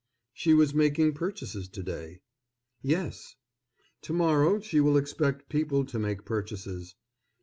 "She was making purchases to day." "Yes." "To morrow she will expect people to make purchases."